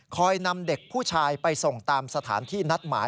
นำเด็กผู้ชายไปส่งตามสถานที่นัดหมาย